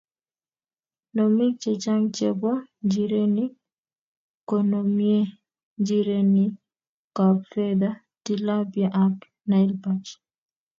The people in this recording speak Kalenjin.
Nomik chechang chebo njirenik konomei njirenikab fedha, tilapia ak Nile perch